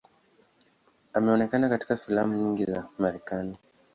Ameonekana katika filamu nyingi za Marekani.